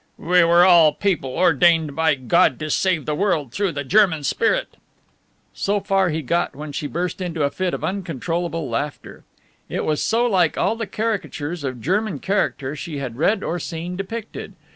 "We were of all people ordained by God to save the world through the German spirit." So far he got when she burst into a fit of uncontrollable laughter. It was so like all the caricatures of German character she had read or seen depicted.